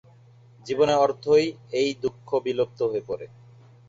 জীবনের অর্থই এই দুঃখে বিলুপ্ত হয়ে পড়ে।